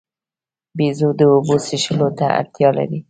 بیزو د اوبو څښلو ته اړتیا لري.